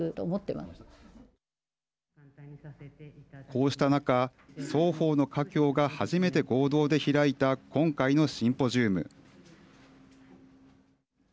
こうした中、双方の華僑が初めて合同で開いた今回のシンポジウム。